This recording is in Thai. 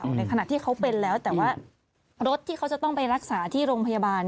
ในขณะที่เขาเป็นแล้วแต่ว่ารถที่เขาจะต้องไปรักษาที่โรงพยาบาล